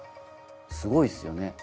すごいっすよね。